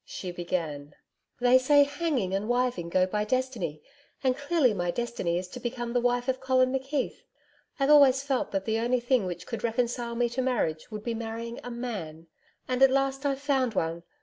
She began: 'They say hanging and wiving go by destiny, and clearly my destiny is to become the wife of Collin McKeith. I've always felt that the only thing which could reconcile me to marriage would be marrying a MAN; and at last I've found one.